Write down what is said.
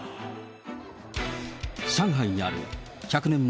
上海にある１００年前、